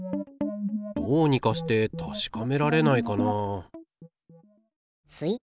どうにかしてたしかめられないかな